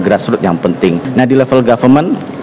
grassroot yang penting nah di level government